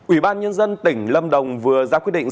ubnd tỉnh lâm đồng vừa ra quyết định